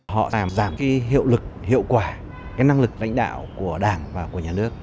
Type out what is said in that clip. họ giảm cái hiệu quả cái năng lực lãnh đạo của đảng và của nhà nước